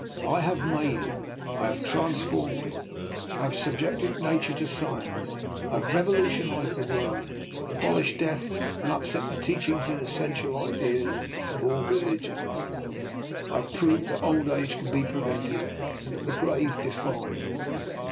I have made him, I have DR. NIKOLA'S EXPERIMENT. 267 transformed him, I have subjected Nature to science, I have revolutionized the world, abol ished death, and upset the teachings, and the essential idea, of all religions. I have proved that old age can be prevented, and the grave defied.